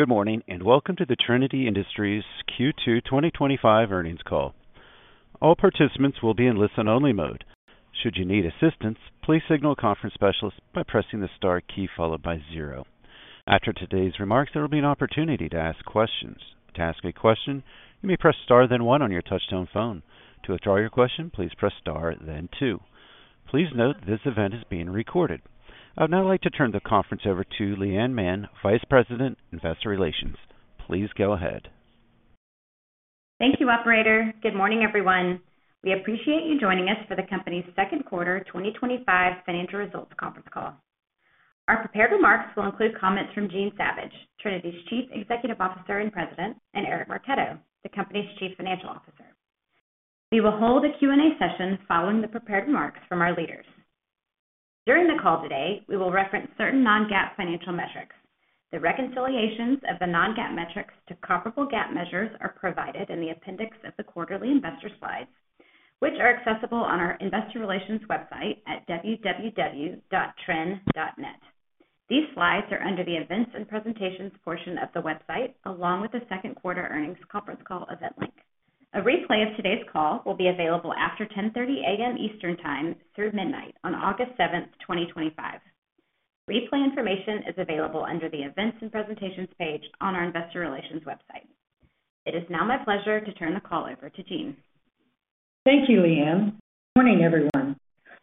Good morning and welcome to the Trinity Industries Q2 2025 earnings call. All participants will be in listen only mode. Should you need assistance, please signal a conference specialist by pressing the star key followed by zero. After today's remarks, there will be an opportunity to ask questions. To ask a question, you may press star then one on your touchtone phone. To withdraw your question, please press star then two. Please note this event is being recorded. I would now like to turn the conference over to Leigh Anne Mann, Vice President, Investor Relations. Please go ahead. Thank you, operator. Good morning, everyone. We appreciate you joining us for the company's second quarter 2025 financial results conference call. Our prepared remarks will include comments from Jean Savage, Trinity Industries' Chief Executive Officer and President, and Eric Marchetto, the company's Chief Financial Officer. We will hold a Q&A session following the prepared remarks from our leaders. During the call today, we will reference certain non-GAAP financial metrics. The reconciliations of the non-GAAP metrics to comparable GAAP measures are provided in the appendix of the quarterly investor slides, which are accessible on our Investor Relations website at www.trin.net. These slides are under the Events and Presentations portion of the website, along with the second quarter earnings conference call event link. A replay of today's call will be available after 10:30 A.M. Eastern Time through midnight on August 7th, 2025. Replay information is available under the Events and Presentations page on our Investor Relations website. It is now my pleasure to turn the call over to Jean. Thank you. Leigh Anne, good morning everyone.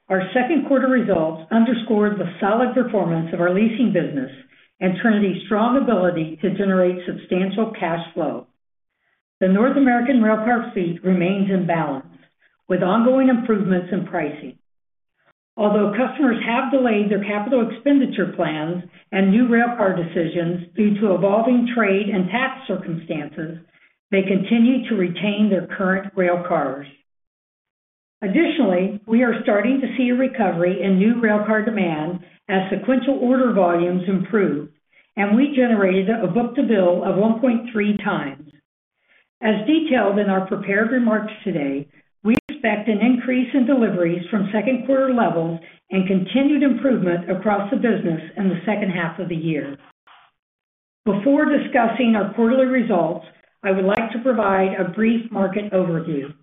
Our second quarter results underscored the solid performance of our leasing business and Trinity strong ability to generate substantial cash flow. The North American railcar fleet remains in balance with ongoing improvements in pricing. Although customers have delayed their capital expenditure plans and new railcar decisions due to evolving trade and tax circumstances, they continue to retain their current railcars. Additionally, we are starting to see a recovery in new railcar demand as sequential order volumes improve, and we generated a book-to-bill ratio of 1.3x. As detailed in our prepared remarks today, we expect an increase in deliveries from second quarter levels and continued improvement across the business in the second half of the year. Before discussing our quarterly results, I would like to provide a brief market overview.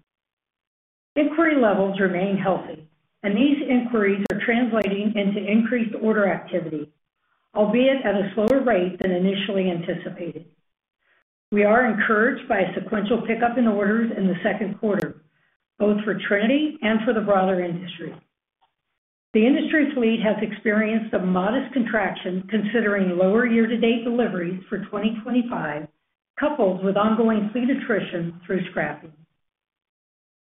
Inquiry levels remain healthy, and these inquiries are translating into increased order activity, albeit at a slower rate than initially anticipated. We are encouraged by a sequential pickup in orders in the second quarter, both for Trinity and for the broader industry. The industry fleet has experienced a modest contraction considering lower year-to-date deliveries for 2025, coupled with ongoing fleet attrition through scrapping.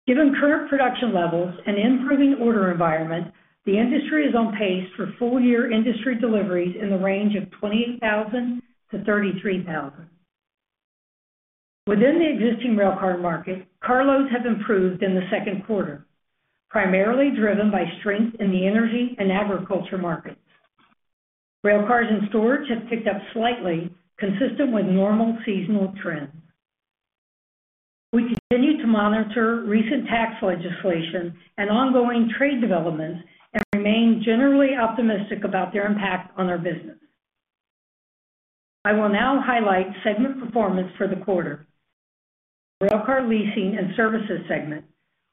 Given current production levels and improving order environment, the industry is on pace for full year industry deliveries in the range of 28,000-33,000 within the existing railcar market. Carloads have improved in the second quarter, primarily driven by strength in the energy and agriculture markets. Railcars in storage have picked up slightly, consistent with normal seasonal trends. We continue to monitor recent tax legislation and ongoing trade developments and remain generally optimistic about their impact on our business. I will now highlight segment performance for the quarter. The railcar leasing and services segment,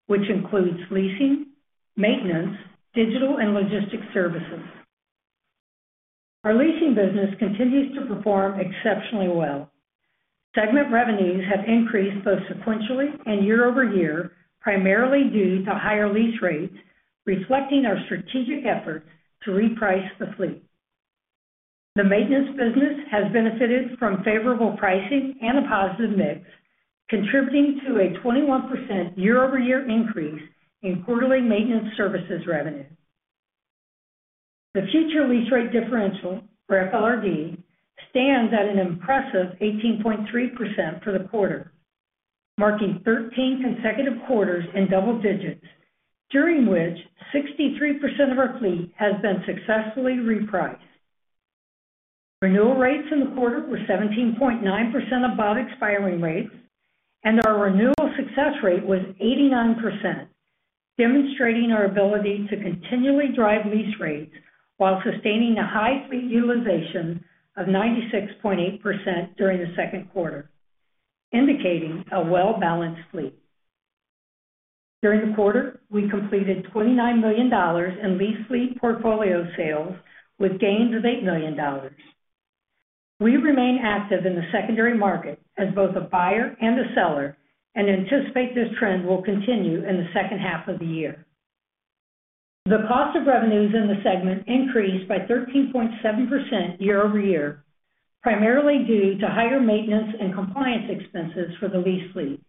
which includes leasing, maintenance, digital and logistics services. Our leasing business continues to perform exceptionally well. Segment revenues have increased both sequentially and year over year, primarily due to higher lease rates, reflecting our strategic efforts to reprice the fleet. The maintenance business has benefited from favorable pricing and a positive mix, contributing to a 21% year-over-year increase in quarterly maintenance services revenue. The future lease rate differential or FLRD stands at an impressive 18.3% for the quarter, marking 13 consecutive quarters in double digits during which 63% of our fleet has been successfully repriced. Renewal rates in the quarter were 17.9% above expiring rates and our renewal success rate was 89%, demonstrating our ability to continually drive lease rates while sustaining a high fleet utilization of 96.8% during the second quarter, indicating a well-balanced fleet. During the quarter, we completed $29 million in lease fleet portfolio sales with gains of $8 million. We remain active in the secondary market as both a buyer and a seller and anticipate this trend will continue in the second half of the year. The cost of revenues in the segment increased by 13.7% year-over-year, primarily due to higher maintenance and compliance expenses for the lease fleet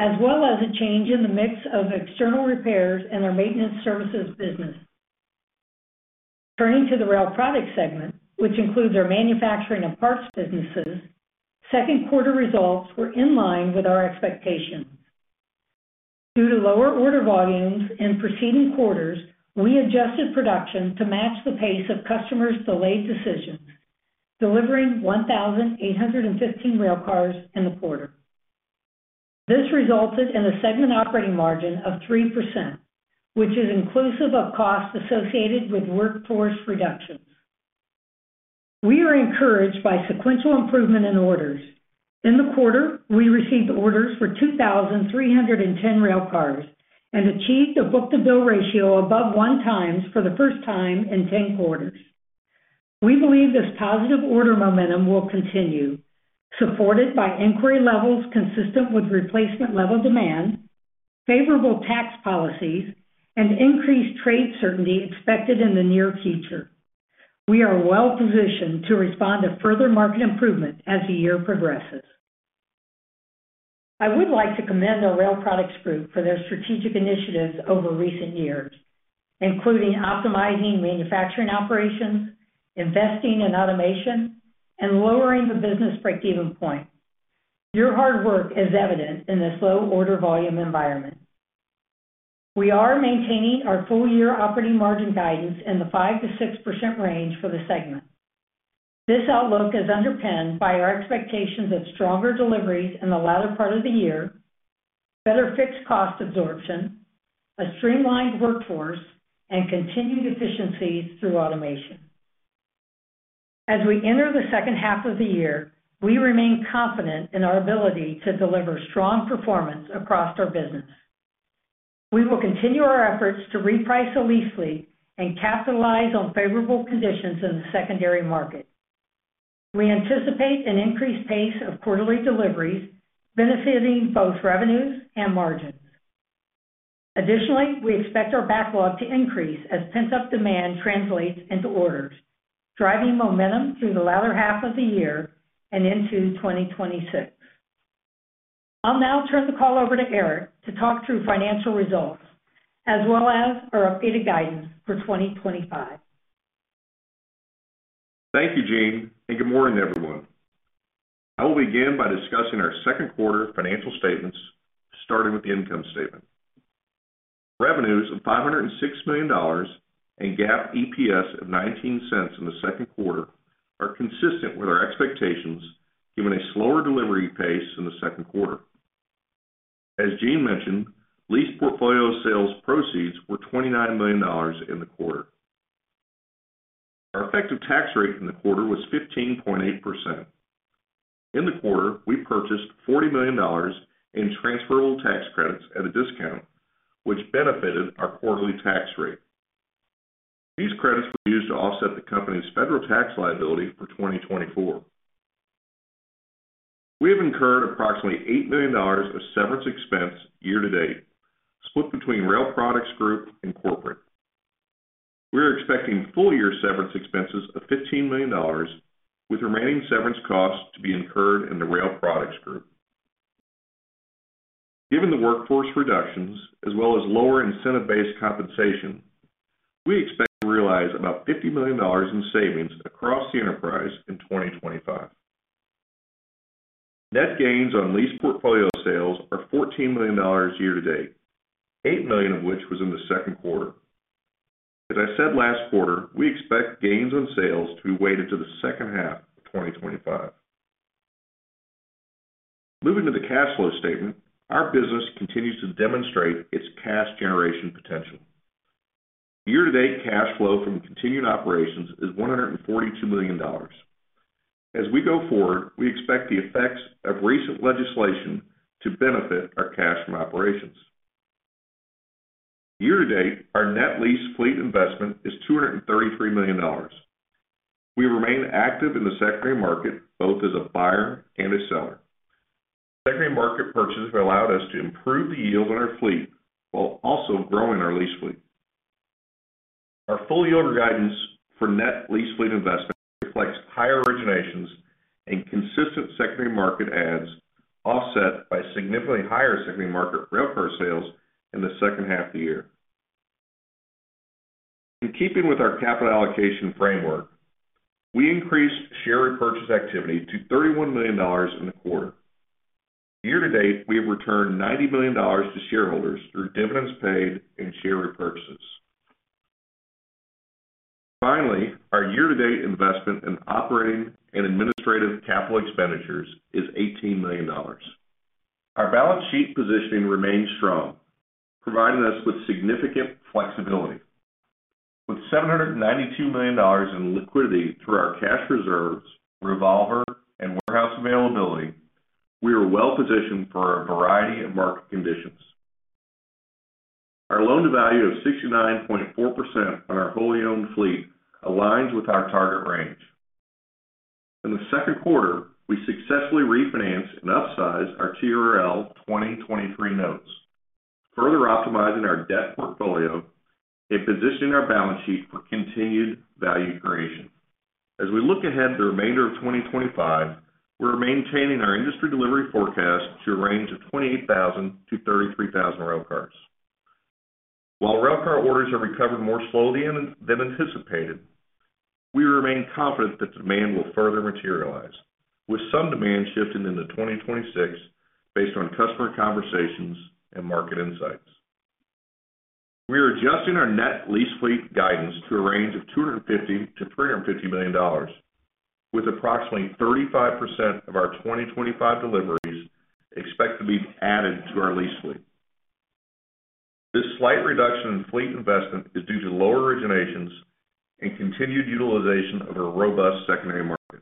as well as a change in the mix of external repairs and our maintenance services business. Turning to the rail products segment, which includes our manufacturing and parts businesses, second quarter results were in line with our expectations due to lower order volumes in preceding quarters. We adjusted production to match the pace of customers' delayed decisions, delivering 1,815 railcars in the quarter. This resulted in a segment operating margin of 3%, which is inclusive of costs associated with workforce reductions. We are encouraged by sequential improvement in orders in the quarter. We received orders for 2,310 railcars and achieved a book-to-bill ratio above one times for the first time in 10 quarters. We believe this positive order momentum will continue, supported by inquiry levels consistent with replacement level demand, favorable tax policies, and increased trade certainty expected in the near future. We are well positioned to respond to further market improvement as the year progresses. I would like to commend our Rail Products Group for their strategic initiatives over recent years, including optimizing manufacturing operations, investing in automation, and lowering the business break-even point. Your hard work is evident in this low order volume environment. We are maintaining our full year operating margin guidance in the 5%-6% range for the segment. This outlook is underpinned by our expectations of stronger deliveries in the latter part of the year, better fixed cost absorption, a streamlined workforce, and continued efficiencies through automation. As we enter the second half of the year, we remain confident in our ability to deliver strong performance across our business. We will continue our efforts to reprice a lease fleet and capitalize on favorable conditions in the secondary market. We anticipate an increased pace of quarterly deliveries benefiting both revenues and margins. Additionally, we expect our backlog to increase as pent up demand translates into orders, driving momentum through the latter half of the year and into 2026. I'll now turn the call over to Eric to talk through financial results as well as our updated guidance for 2025. Thank you, Jean, and good morning, everyone. I will begin by discussing our second quarter financial statements, starting with the income statement. Revenues of $506 million and GAAP EPS of $0.19 in the second quarter are consistent with our expectations given a slower delivery pace in the second quarter. As Jean mentioned, lease portfolio sales proceeds were $29 million in the quarter. Our effective tax rate in the quarter was 15.8%. In the quarter, we purchased $40 million in transferable tax credits at a discount, which benefited our quarterly tax rate. These credits were used to offset the company's federal tax liability. For 2024, we have incurred approximately $8 million of severance expense year-to-date, split between Rail Products Group and Corporate. We are expecting full year severance expenses of $15 million, with remaining severance costs to be incurred in the Rail Products Group. Given the workforce reductions as well as lower incentive-based compensation, we expect to realize about $50 million in savings across the enterprise in 2025. Net gains on lease portfolio sales are $14 million year to date, $8 million of which was in the second quarter. As I said last quarter, we expect gains on sales to be weighted to the second half of 2025. Moving to the cash flow statement, our business continues to demonstrate its cash generation potential. Year to date, cash flow from continued operations is $142 million. As we go forward, we expect the effects of recent legislation to benefit our cash from operations year to date. Our net lease fleet investment is $233 million. We remain active in the secondary market both as a buyer and a seller. Secondary market purchases have allowed us to improve the yield on our fleet while also growing our lease fleet. Our full yield guidance for net lease fleet investment reflects higher originations and consistent secondary market adds, offset by significantly higher secondary market railcar sales in the second half of the year. In keeping with our capital allocation framework, we increased share repurchase activity to $31 million in the quarter. Year to date, we have returned $90 million to shareholders through dividends paid and share repurchases. Finally, our year to date investment in operating and administrative capital expenditures is $18 million. Our balance sheet positioning remains strong, providing us with significant flexibility. With $792 million in liquidity through our cash reserves, revolver, and warehouse availability, we are well positioned for a variety of market conditions. Our loan to value of 69.4% on our wholly owned fleet aligns with our target range. In the second quarter, we successfully refinanced and upsized our TRL 2023 notes, further optimizing our debt portfolio and positioning our balance sheet for continued value creation. As we look ahead the remainder of 2025, we're maintaining our industry delivery forecast to a range of 28,000-33,000 railcars. While railcar orders have recovered more slowly than anticipated, we remain confident that demand will further materialize with some demand shifting into 2026. Based on customer conversations and market insights, we are adjusting our net lease fleet guidance to a range of $250 million-$350 million with approximately 35% of our 2025 deliveries expected to be added to our lease fleet. This slight reduction in fleet investment is due to lower originations and continued utilization of a robust secondary market.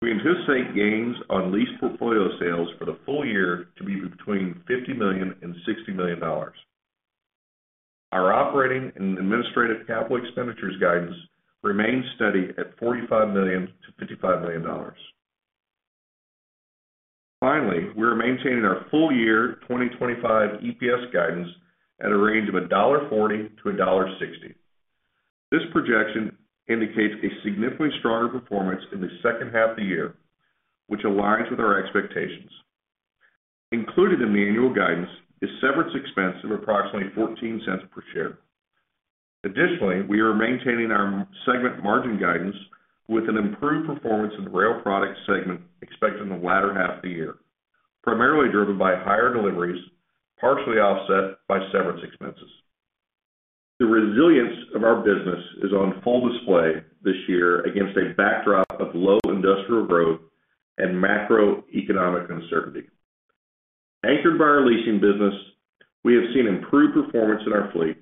We anticipate gains on lease fleet portfolio sales for the full year to be between $50 million and $60 million. Our operating and administrative capital expenditures guidance remains steady at $45 million-$55 million. Finally, we are maintaining our full year 2025 EPS guidance at a range of $1.40-$1.60. This projection indicates a significantly stronger performance in the second half of the year, which aligns with our expectations. Included in the annual guidance is severance expense of approximately $0.14 per share. Additionally, we are maintaining our segment margin guidance with an improved performance in the rail products segment expected in the latter half of the year, primarily driven by higher deliveries partially offset by severance expenses. The resilience of our business is on full display this year against a backdrop of low industrial growth and macroeconomic uncertainty. Anchored by our leasing business, we have seen improved performance in our fleet.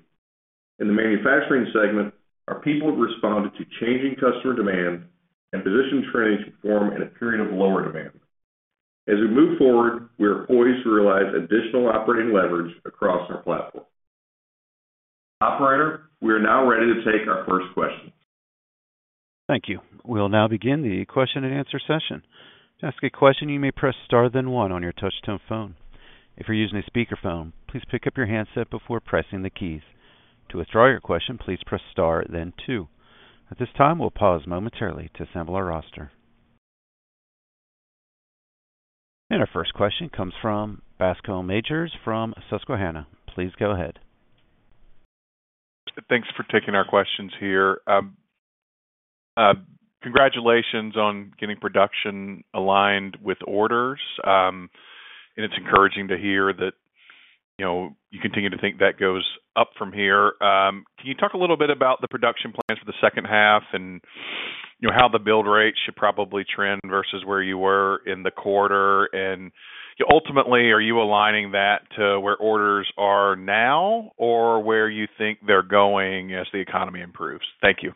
In the manufacturing segment, our people have responded to changing customer demand and positioned Trinity to perform in a period of lower demand. As we move forward, we are poised to realize additional operating leverage across our platform. Operator, we are now ready to take our first question. Thank you. We will now begin the question-and-answer session. To ask a question, you may press Star then one on your touch tone phone. If you're using a speakerphone, please pick up your handset before pressing the keys. To withdraw your question, please press Star then two. At this time, we'll pause momentarily to assemble our roster. Our first question comes from Bascome Majors from Susquehanna. Please go ahead. Thanks for taking our questions here. Congratulations on getting production aligned with orders, and it's encouraging to hear that you continue to think that goes up from here. Can you talk a little bit about the production plans for the second half and how the build rate should probably trend versus where you were in the quarter, and ultimately are you aligning that to where orders are now or where you think they're going as the economy improves? Thank you.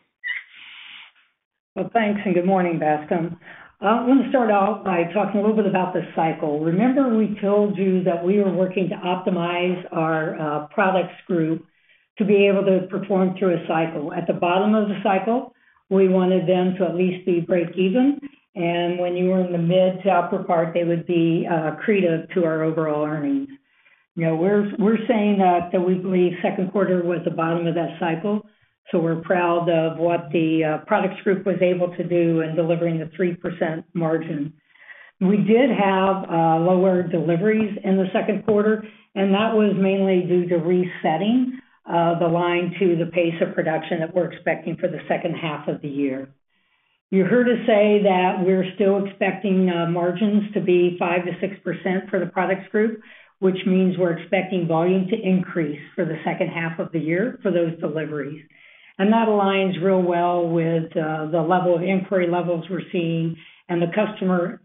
Thank you and good morning, Bascome. I want to start out by talking a little bit about the cycle. Remember we told you that we were working to optimize our product to be able to perform through a cycle at the bottom of the cycle. We wanted them to at least be break even, and when you were in the mid to upper part, they would be accretive to our overall earnings. We're saying that we believe second quarter was the bottom of that cycle. We are proud of what the products group was able to do in delivering the 3% margin. We did have lower deliveries in the second quarter, and that was mainly due to resetting the line to the pace of production that we're expecting for the second half of the year. You heard us say that we're still expecting margins to be 5%-6% for the products group, which means we're expecting volume to increase for the second half of the year for those deliveries. That aligns real well with the level of inquiry levels we're seeing and the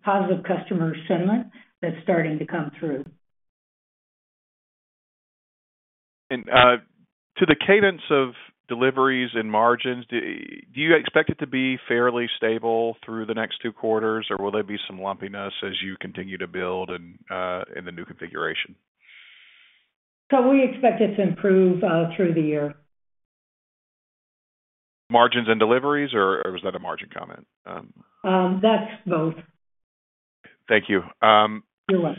positive customer sentiment that's starting to come through. Regarding the cadence of deliveries and margins, do you expect it to be fairly stable through the next two quarters, or will there be some lumpiness as you continue to build in the new configuration? We expect it to improve through the year. Margins and deliveries, or was that a margin comment? Thank you, that's both. You're welcome.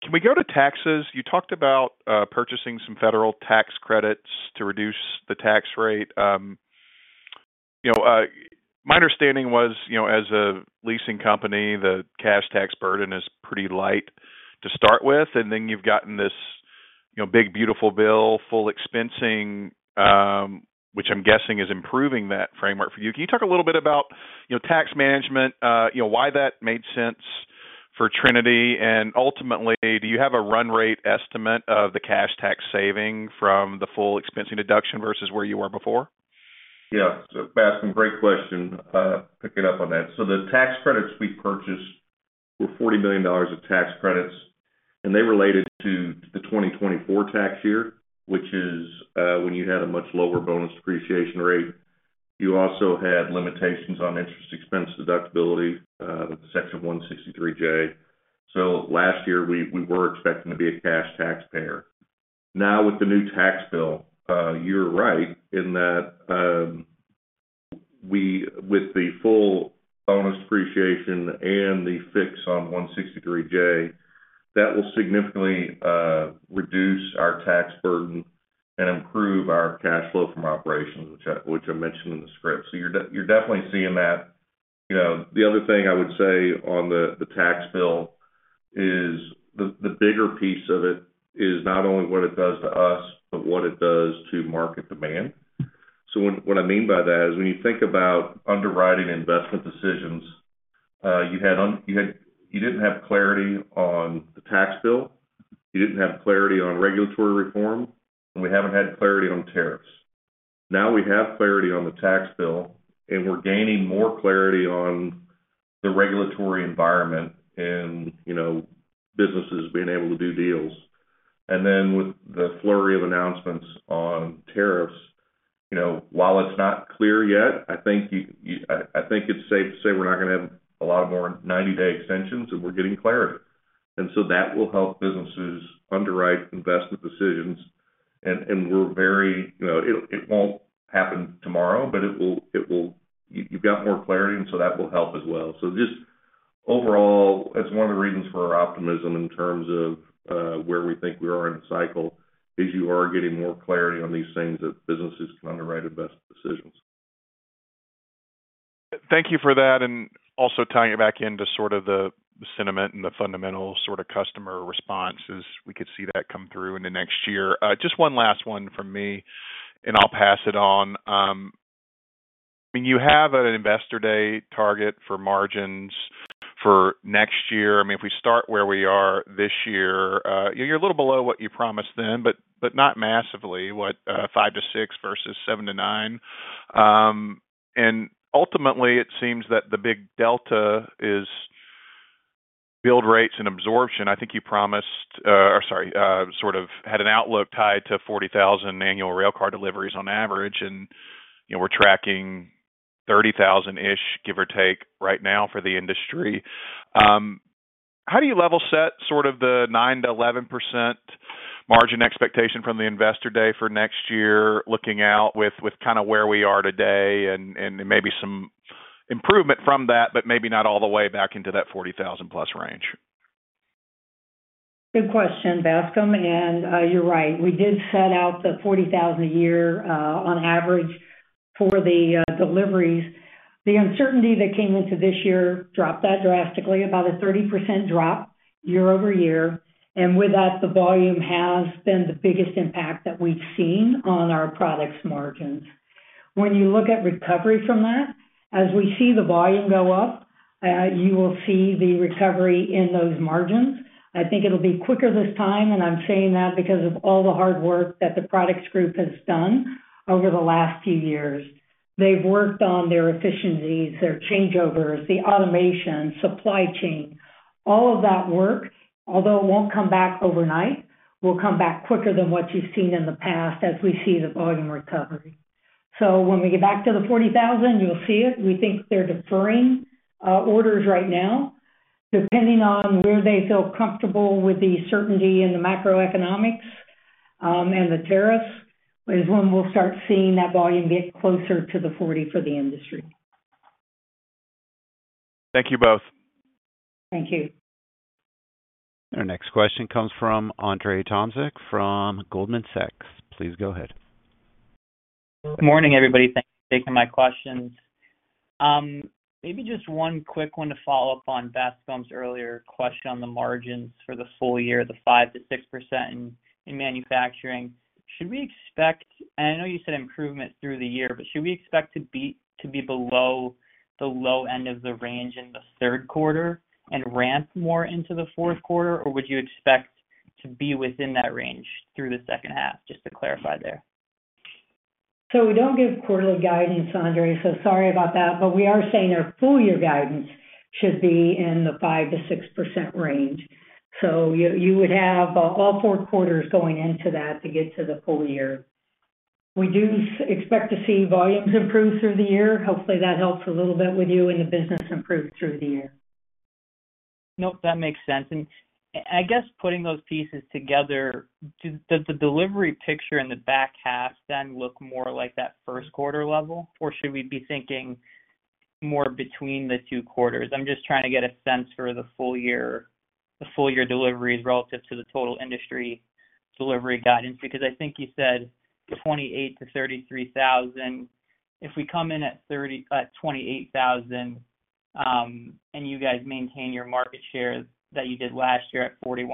Can we go to taxes? You talked about purchasing some federal tax credits to reduce the tax rate. My understanding was as a leasing company, the cash tax burden is pretty light to start with. You've gotten this big, beautiful bill, full expensing, which I'm guessing is improving that framework for you. Can you talk a little bit about tax management, why that made sense for Trinity? Ultimately, do you have a run rate estimate of the cash tax saving from the full expensing deduction versus where you were before? Yeah, Bascome, great question. Picking up on that. The tax credits we purchased were $40 million of tax credits and they related to the 2024 tax year, which is when you had a much lower bonus depreciation rate. You also had limitations on interest expense deductibility, section 163J. Last year we were expecting to be a cash taxpayer. Now with the new tax bill, you're right in that with the full bonus depreciation and the fix on 163J that will significantly reduce our tax burden and improve our cash flow from operations, which I mentioned in the script. You're definitely seeing that. The other thing I would say on the tax bill is the bigger piece of it is not only what it does to us, but what it does to market demand. What I mean by that is when you think about underwriting investment decisions, you didn't have clarity on the tax bill, you didn't have clarity on regulatory reform, and we haven't had clarity on tariffs. Now we have clarity on the tax bill and we're gaining more clarity on the regulatory environment and, you know, businesses being able to do deals. With the flurry of announcements on tariffs, while it's not clear yet, I think it's safe to say we're not going to have a lot of more 90 day extensions and we're getting clarity. That will help businesses underwrite investment decisions. It won't happen tomorrow, but it will. You've got more clarity and that will help as well. Overall, it's one of the reasons for our optimism in terms of where we think we are in the cycle is you are getting more clarity on these things that businesses can underwrite. Best decision decisions. Thank you for that. Also, tying it back into the sentiment and the fundamental customer responses, we could see that come through in the next year. Just one last one from me and I'll pass it on. You have an Investor Day target for margins for next year. I mean if we start where we are this year, you're a little below. What you promised then, but not massively, what 5%-6% versus 7%-9%. Ultimately, it seems that the big delta is build rates and absorption. I think you promised, or sorry, sort of had an outlook tied to 40,000 annual railcar deliveries on average and we're tracking 30,000-ish, give or take right now for the industry. How do you level set sort of the 9%-11% margin expectation from the Investor Day for next year? Looking out with kind of where we are today and maybe some improvement from that, but maybe not all the way back into that 40,000+ range? Good question, Bascome. You're right, we did set out the 40,000 a year on average for the deliveries. The uncertainty that came into this year dropped that drastically, about a 30% drop year-over-year. With that, the volume has been the biggest impact that we've seen on our products margins. When you look at recovery from that, as we see the volume go up, you will see the recovery in those margins. I think it'll be quicker this time. I'm saying that because of all the hard work that the products group has done over the last few years. They've worked on their efficiencies, their changeovers, the automation, supply chain, all of that work, although it won't come back overnight, will come back quicker than what you've seen in the past as we see the volume recovery. When we get back to the 40,000, you'll see it. We think they're deferring orders right now depending on where they feel comfortable with the certainty in the macroeconomics and the tariffs is when we'll start seeing that volume get closer to the 40 for the industry. Thank you both. Thank you. Our next question comes from Andrzej Tomczyk from Goldman Sachs. Please go ahead. Good morning everybody. Thanks for taking my questions. Maybe just one quick one to follow up on Bascome's earlier question on the margins for the full year, the 5%-6% in manufacturing. Should we expect, and I know you said improvement through the year, but should we expect to be below the low end of the range in the third quarter and ramp more into the fourth quarter, or would you expect to be within that range through the second half? Just to clarify there. We don't give quarterly guidance, Andre. Sorry about that, but we are saying our full year guidance should be in the 5%-6% range. You would have all four quarters going into that to get to the full year. We do expect to see volumes improve through the year. Hopefully that helps a little bit with you, and the business improves through the year. That makes sense. I guess putting those pieces together, does the delivery picture in the back half then look more like that first quarter level, or should we be thinking more between the two quarters? I'm just trying to get a sense for the full year, the full year deliveries relative to the total industry delivery guidance. I think you said 28,00-33,000. If we come in at 28,000 and you guys maintain your market share that you did last year at 41%,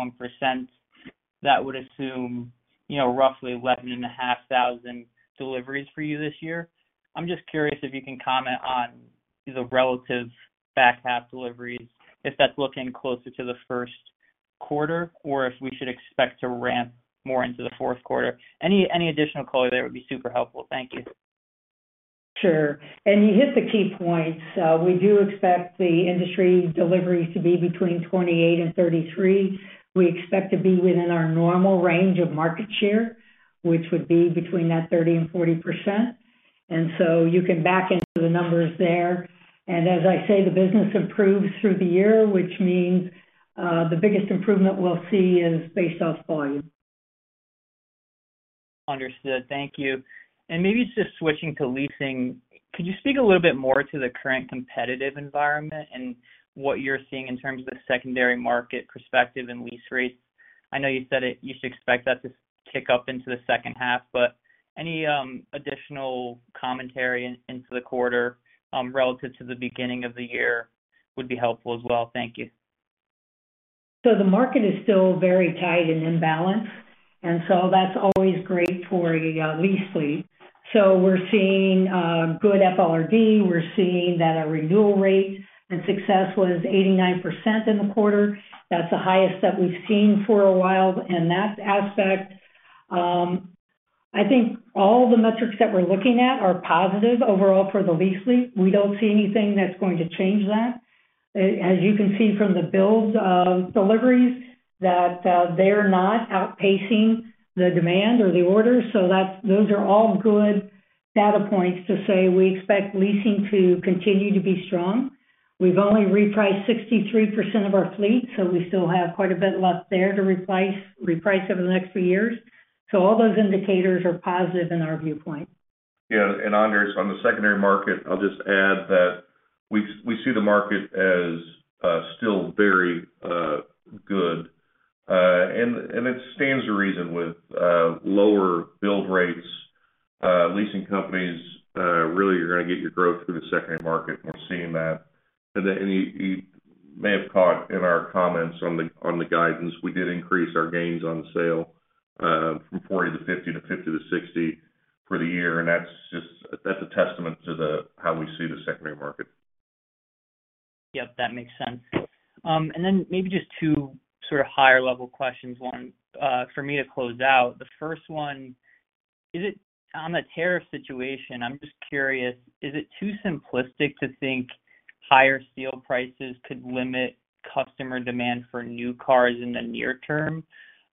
that would assume roughly 11,500 deliveries for you this year. I'm just curious if you can comment on the relative back half deliveries, if that's looking closer to the first quarter or if we should expect to ramp more into the fourth quarter. Any additional color there would be super helpful. Thank you. Sure. You hit the key points. We do expect the industry deliveries to be between 28,000 and 33,000. We expect to be within our normal range of market share, which would be between that 30% and 40%. You can back into the numbers there. As I say, the business improves through the year, which means the biggest improvement we'll see is based off volume. Understood, thank you. Maybe just switching to leasing, could you speak a little bit more to the current competitive environment and what you're seeing in terms of the secondary market perspective and lease rates? I know you said it. You should expect that to kick up into the second half, but any additional commentary into the quarter relative to the beginning of the year would be helpful as well. Thank you. The market is still very tight and imbalanced, and that's always great for a lease lead. We're seeing good FLRD. We're seeing that our renewal rate and success was 89% in the quarter. That's the highest that we've seen for a while in that aspect. I think all the metrics that we're looking at are positive overall for the lease lead. We don't see anything that's going to change that. As you can see from the build deliveries, they're not outpacing the demand or the order. Those are all good data points to say we expect leasing to continue to be strong. We've only repriced 63% of our fleet, so we still have quite a bit left there to reprice over the next few years. All those indicators are positive in our viewpoint. Yeah. And Adrzej on the secondary market, I'll just add that we see the market as still very good and it stands to reason with lower build rates, leasing companies, really, you're going to get your growth through the secondary market. We're seeing that. You may have caught in our comments on the guidance, we did increase our gains on sale from $40 million-$50 million to $50 million-$60 million for the year. That's just a testament to how we see the secondary market. That makes sense. Maybe just two sort of higher level questions. One for me to close out, the first one, is it on the tariff situation? I'm just curious, is it too simplistic to think higher steel prices could limit customer demand for new cars in the near term?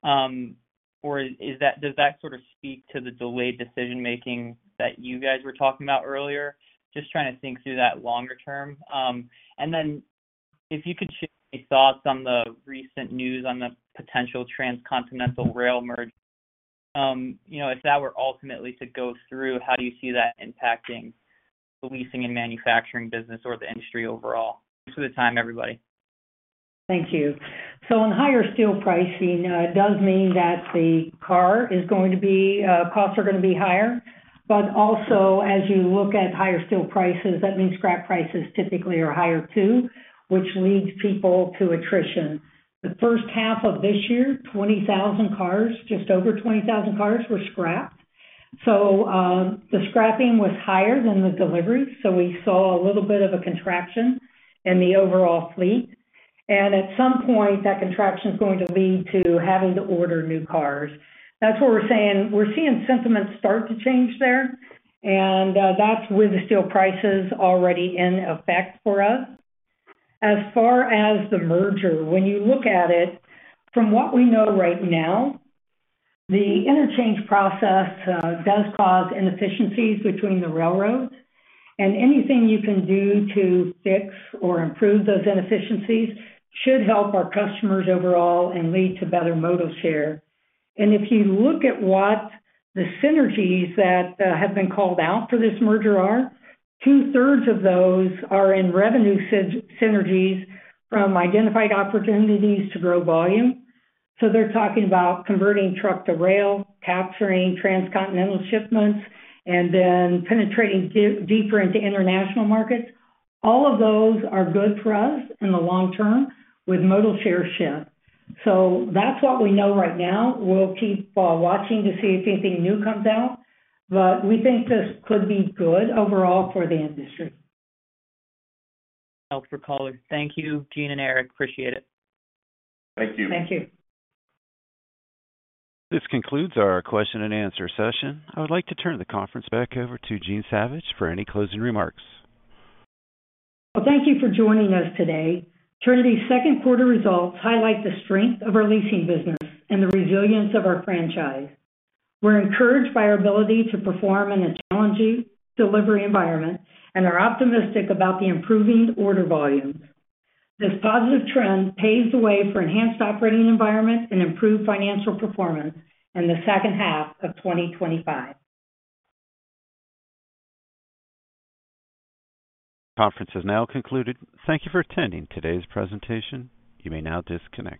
Does that sort of speak to the delayed decision making that you guys were talking about earlier? Just trying to think through that longer term. If you could share any thoughts on the recent news on the potential transcontinental rail merge, you know, if that were ultimately to go through, how do you see that impacting the leasing and manufacturing business or the industry overall? Thanks for the time, everybody. Thank you. Higher steel pricing does mean that the car is going to be. Costs are going to be higher. Also, as you look at higher steel prices, that means scrap prices typically are higher too, which leads people to attrition. The first half of this year, 20,000 cars, just over 20,000 cars were scrapped. The scrapping was higher than the delivery. We saw a little bit of a contraction in the overall fleet. At some point, that contraction is going to lead to having to order new cars. That's what we're saying. We're seeing sentiment start to change there, and that's with the steel prices already in effect. For us, as far as the merger, when you look at it from what we know right now, the interchange process does cause inefficiencies between the railroads, and anything you can do to fix or improve those inefficiencies should help our customers overall and lead to better modal share. If you look at what the synergies that have been called out for this merger are, two thirds of those are in revenue synergies from identified opportunities to grow volume. They're talking about converting truck to rail, capturing transcontinental shipments, and then penetrating deeper into international markets. All of those are good for us in the long term with modal share shift. That's what we know right now. We'll keep watching to see if anything new comes out, but we think this could be good overall for the industry. Thank you, Jean and Eric, appreciate it. Thank you. Thank you. This concludes our question-and-answer session. I would like to turn the conference back over to Jean Savage for any closing remarks. Thank you for joining us today. Trinity's second quarter results highlight the strength of our leasing business and the resilience of our franchise. We're encouraged by our ability to perform in a challenging delivery environment and are optimistic about the improving order volumes. This positive trend paves the way for enhanced operating environment and improved financial performance in the second half of 2025. The conference has now concluded. Thank you for attending today's presentation. You may now disconnect.